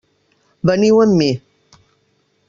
Veniu amb mi.